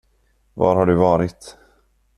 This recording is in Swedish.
Var har du varit?